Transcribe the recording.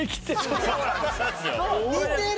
似てる！